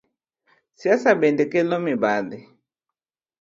Siasa bende kelo mibadhi.